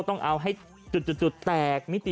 ถ่ายมาแบบนี่